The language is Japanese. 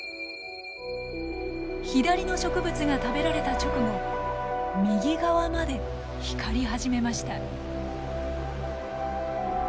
左の植物が食べられた直後右側まで光り始めました。